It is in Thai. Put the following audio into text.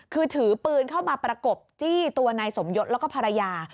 คือถือปืนเข้ามาประกบจี้ตัวนายสมยศแล้วก็ภรรยา